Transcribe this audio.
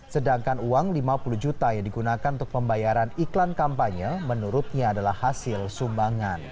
sedangkan uang lima puluh juta yang digunakan untuk pembayaran iklan kampanye menurutnya adalah hasil sumbangan